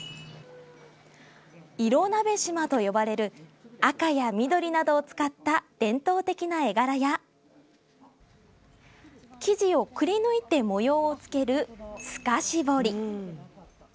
色鍋島と呼ばれる赤や緑などを使った伝統的な絵柄や生地をくりぬいて模様を付ける透かし彫り